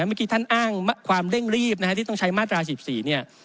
เมื่อกี้ท่านอ้างความเร่งรีบนะฮะที่ต้องใช้มาตรา๑๔เนี่ย